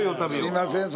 すみません。